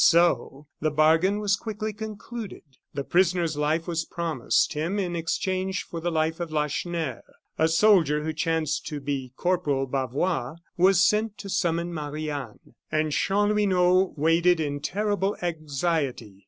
So the bargain was quickly concluded. The prisoner's life was promised, him in exchange for the life of Lacheneur. A soldier, who chanced to be Corporal Bavois, was sent to summon Marie Anne. And Chanlouineau waited in terrible anxiety.